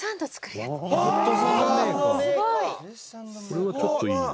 「すごい！」